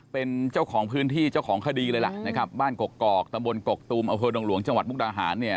เป็นเจ้าของพื้นที่เจ้าของคดีแล้วล่ะ